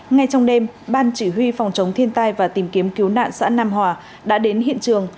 ngay trong đêm ban chỉ huy phòng chống thiên tai và tìm kiếm cứu nạn xã nam hòa đã đến hiện trường